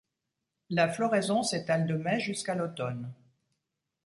La floraison s'étale de mai jusqu'à l'automne.